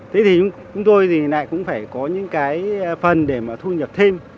thế thì chúng tôi thì lại cũng phải có những cái phần để mà thu nhập thêm